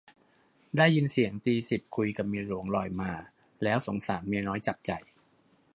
ได้ยินเสียงตีสิบคุยกับเมียหลวงลอยมา แล้วสงสารเมียน้อยจับใจ